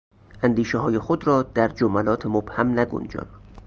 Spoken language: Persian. اندیشههای خود را در جملات مبهم نگنجان!